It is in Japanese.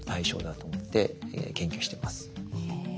へえ。